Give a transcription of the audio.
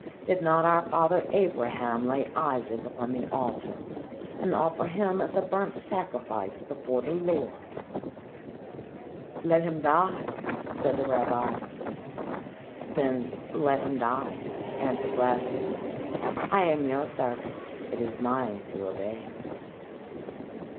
Did not our father Abraham lay Isaac upon the altar and offer him as a burnt sacrifice before the Lord?" "Let him die," said the rabbis. "Then let him die," answered Lazarus. "I am your servant. It is mine to obey."